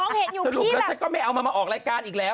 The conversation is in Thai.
น้องเห็นอยู่พี่แบบสรุปแล้วฉันก็ไม่เอามาออกรายการอีกแล้ว